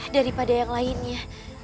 daripada yang lainnya